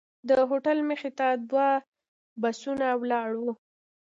د هوټل مخې ته دوه بسونه ولاړ وو.